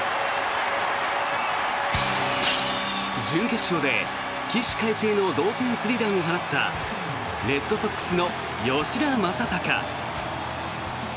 準決勝で、起死回生の同点スリーランを放ったレッドソックスの吉田正尚。